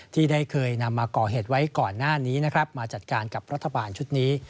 ที่ได้เคยนำมาก่อเหตุไว้ก่อนหน้านี้นะครับมาจัดการกับรัฐบาลชุดนี้